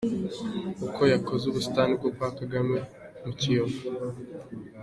Uko yakoze ubusitani bwo kwa Kagame mu Kiyovu.